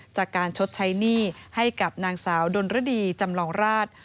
จากการชดใช้หนี้ให้กับนางสาวดนรดีจำลองราช